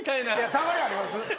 たまにあります。